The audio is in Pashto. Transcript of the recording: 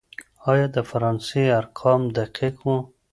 آيا د فرانسې ارقام دقيق وو؟